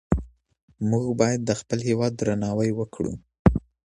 مونږ باید د خپل هیواد درناوی وکړو.